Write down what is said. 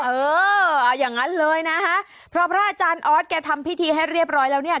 เออเอาอย่างนั้นเลยนะคะเพราะพระอาจารย์ออสแกทำพิธีให้เรียบร้อยแล้วเนี่ย